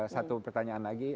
satu pertanyaan lagi